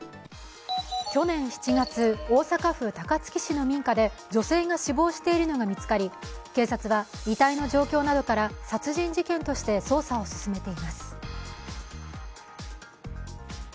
去年７月、大阪府高槻市の民家で女性が死亡しているのが見つかり警察が遺体の状況などから殺人事件として捜査を進めています。